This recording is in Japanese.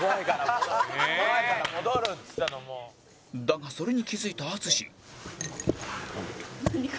だがそれに気付いた淳